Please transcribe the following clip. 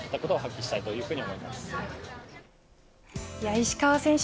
石川選手